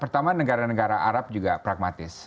pertama negara negara arab juga pragmatis